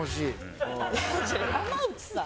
山内さん？